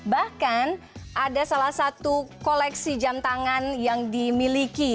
bahkan ada salah satu koleksi jam tangan yang dimiliki